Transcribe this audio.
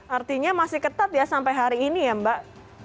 artinya masih ketat ya sampai hari ini ya mbak